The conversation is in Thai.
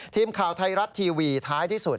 ทีมข่าวไทยรัฐทีวีท้ายที่สุด